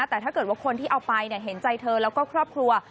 แต่ถ้าเกิดว่าคนที่เอาไปเห็นใจเธอแล้วก็ครอบครัว